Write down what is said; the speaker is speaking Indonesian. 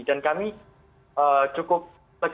dan kami cukup lega juga